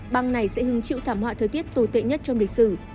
bang này sẽ hứng chịu thảm họa thời tiết tồi tệ nhất trong lịch sử